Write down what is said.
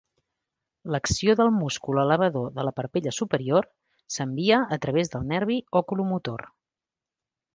L"acció del múscul elevador de la parpella superior s"envia a través del nervi oculomotor.